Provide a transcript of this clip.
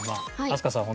飛鳥さん